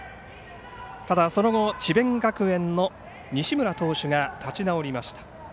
ただその後、智弁学園の西村投手が立ち直りました。